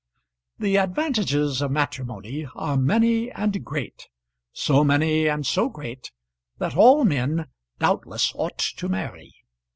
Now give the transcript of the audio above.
The advantages of matrimony are many and great, so many and so great, that all men, doubtless, ought to marry.